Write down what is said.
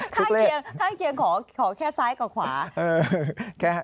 ข้างเคียงขอแค่ซ้ายกว่าขวา